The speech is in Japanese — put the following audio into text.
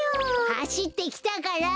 はしってきたから！